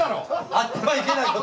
あってはいけないことです